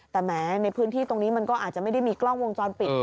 แต่แม้ในพื้นที่ตรงนี้มันก็อาจจะไม่ได้มีกล้องวงจรปิด